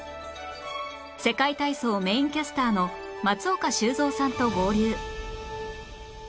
世界体操メインキャスターの松岡修造さんと合流